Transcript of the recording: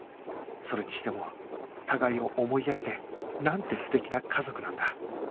それにしても互いを思いやってなんて素敵な家族なんだ